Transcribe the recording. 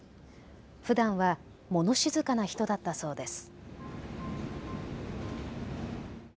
ふだんはもの静かな人だったそうです。